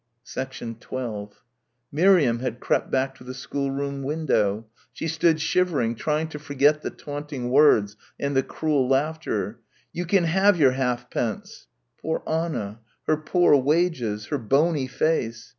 12 Miriam had crept back to the schoolroom window. She stood shivering, trying to forget the taunting words, and the cruel laughter. "You can have your ha'pence!" Poor Anna. Her poor wages. Her bony face....